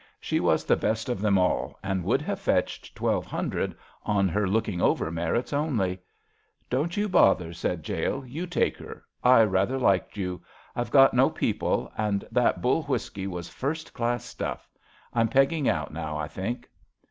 She was the best of them all, and would have fetched twelve hundred on her looking over merits only. *^ Don't you bother," said Jale. You take her. I rather liked you. I've got no people, and that Bull whisky was first class stuff. I'm pegging out now, I think."